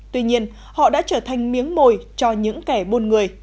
tuy nhiên họ đã trở thành miếng mồi cho những kẻ buôn người